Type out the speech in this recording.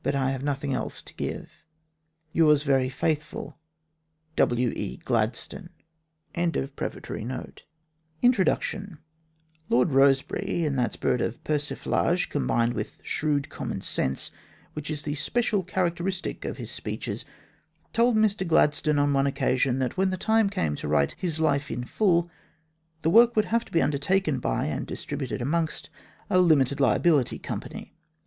. 223 XVIII. A COUPLE OF COLONIAL LECTURES .. .255 INDEX 271 INTRODUCTION LOED EOSEBERY, in that spirit of persiflage combined with shrewd common sense which is the special characteristic of his speeches, told Mr Gladstone on one occasion that, when the time came to write his life in full, the work would have to be undertaken by, and distributed amongst, a limited liability company.